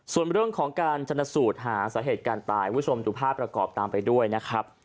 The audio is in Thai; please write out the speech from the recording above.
ส่วนเรื่องของการชนสูตรหาสาเหตุการณ์ตายคุณผู้ชมดูภาพประกอบตามไปด้วยนะครับ